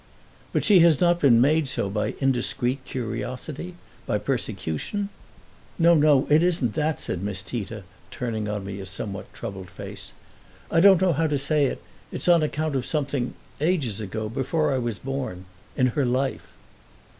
"But she has not been made so by indiscreet curiosity, by persecution?" "No, no; it isn't that," said Miss Tita, turning on me a somewhat troubled face. "I don't know how to say it: it's on account of something ages ago, before I was born in her life."